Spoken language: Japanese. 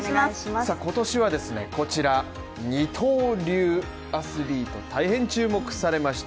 今年はですね、こちら二刀流、アスリート、大変注目されました。